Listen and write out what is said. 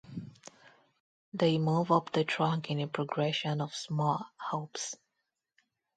They move up the trunk in a progression of small hops.